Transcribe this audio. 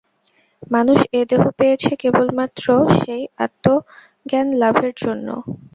মানুষ এ দেহ পেয়েছে কেবলমাত্র সেই আত্মজ্ঞান-লাভের জন্য।